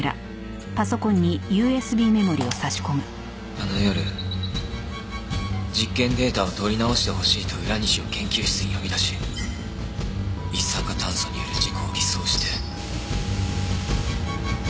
あの夜実験データを取り直してほしいと浦西を研究室に呼び出し一酸化炭素による事故を偽装して。